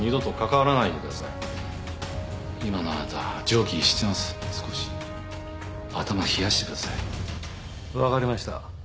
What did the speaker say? わかりました。